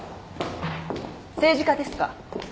政治家ですか？